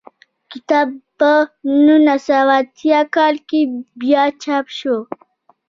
کتاب په نولس سوه اتیا کال کې بیا چاپ شو.